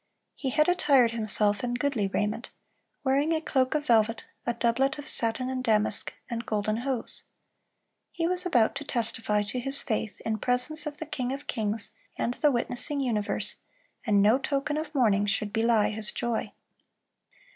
He had attired himself in goodly raiment, wearing "a cloak of velvet, a doublet of satin and damask, and golden hose."(325) He was about to testify to his faith in presence of the King of kings and the witnessing universe, and no token of mourning should belie his joy.